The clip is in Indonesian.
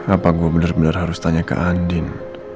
apa gue bener bener harus tanya ke andin